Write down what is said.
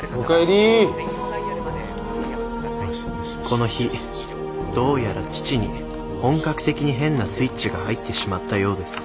この日どうやら父に本格的に変なスイッチが入ってしまったようです